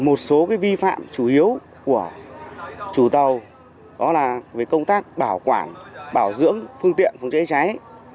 một số vi phạm chủ yếu của chủ tàu đó là về công tác bảo quản bảo dưỡng phương tiện phòng cháy cháy